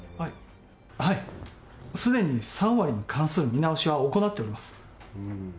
すでに３割に関する見直しは行っております。